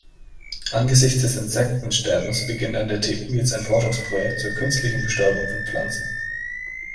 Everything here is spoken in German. Angesichts des Insektensterbens beginnt an der TU jetzt ein Forschungsprojekt zur künstlichen Bestäubung von Pflanzen.